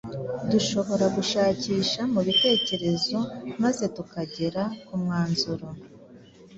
dushobora gushakisha mu bitekerezo maze tukagera ku mwanzuro